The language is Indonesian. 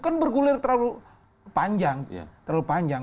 kan bergulir terlalu panjang